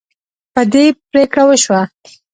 په دې پریکړه وشوه.